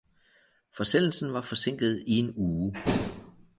Forsendelsen var forsinket i en uge